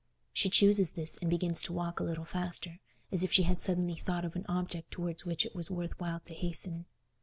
She chooses this and begins to walk a little faster, as if she had suddenly thought of an object towards which it was worth while to hasten.